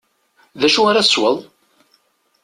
D acu ara tesweḍ?